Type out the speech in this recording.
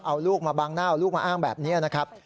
เอาลูกมาบังหน้าเอาลูกมาอ้างแบบนี้นะครับ